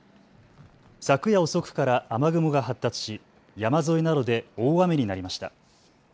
昨夜遅くから雨雲が発達し山沿いなどで大雨になりました。